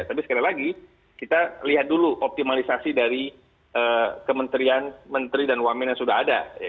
tapi sekali lagi kita lihat dulu optimalisasi dari kementerian menteri dan wamen yang sudah ada